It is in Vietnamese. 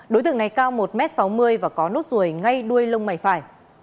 đối tượng này cao một m sáu mươi và có nốt ruồi ngay đuôi lông mày phải